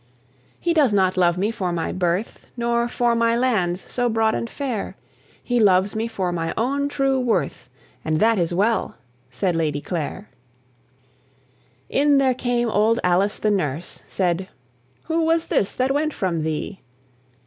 "He does not love me for my birth, Nor for my lands so broad and fair; He loves me for my own true worth, And that is well," said Lady Clare. In there came old Alice the nurse; Said: "Who was this that went from thee?"